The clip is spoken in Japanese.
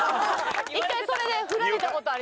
一回それで振られた事あります。